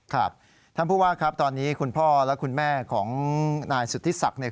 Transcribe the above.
ครับท่านผู้ว่าครับตอนนี้คุณพ่อและคุณแม่ของนายสุธิศักดิ์เนี่ย